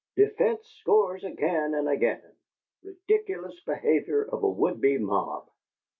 'Defence Scores Again and Again. Ridiculous Behavior of a Would Be Mob.